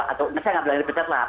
atau saya nggak bilang di pecat lah